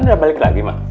nelan udah balik lagi mak